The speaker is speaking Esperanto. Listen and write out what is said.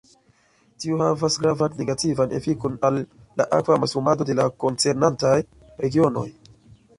Tiu havas havas gravan negativan efikon al la akva mastrumado de la koncernantaj regionoj.